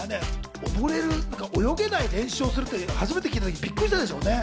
泳げない練習をするって初めて聞いたとき、びっくりしたでしょうね。